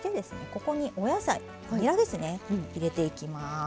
ここにお野菜にらですね入れていきます。